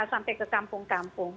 sampai ke kampung kampung